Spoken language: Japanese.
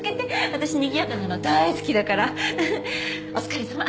私にぎやかなの大好きだからふふっお疲れさま。